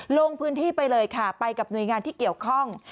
ลงพื้นที่ไปเลยค่ะไปกับหน่วยงานที่เกี่ยวข้อง